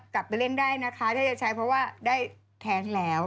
สามารถเงินได้นะค่ะเพราะว่าได้แทนแล้ว